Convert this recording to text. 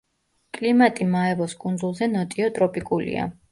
კლიმატი მაევოს კუნძულზე ნოტიო ტროპიკულია.